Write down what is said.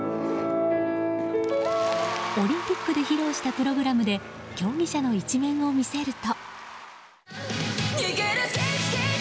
オリンピックで披露したプログラムで競技者の一面を見せると。